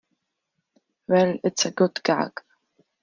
Well, it's a good gag.